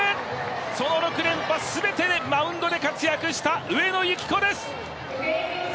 その６連覇全てでマウンドで活躍した上野由岐子です！